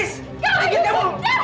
sudah kawahyu sudah